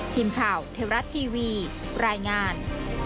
ทีมข่าวเทวรัฐทีวีรายงาน